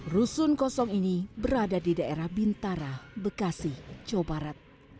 rusun kosong ini berada di daerah bintara bekasi jawa barat